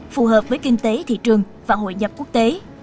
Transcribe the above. phù hợp với kinh tế thị trường và hội nhập quốc tế